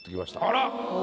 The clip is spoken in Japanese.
あら。